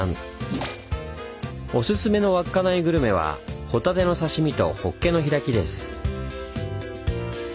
おすすめの稚内グルメはほたての刺身とほっけの開きです。